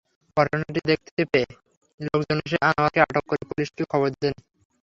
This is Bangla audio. ঘটনাটি দেখতে পেয়ে লোকজন এসে আনোয়ারকে আটক করে পুলিশে খবর দেন।